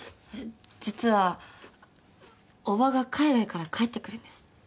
実は伯母が海外から帰ってくるんです。